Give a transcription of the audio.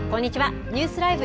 ニュースＬＩＶＥ！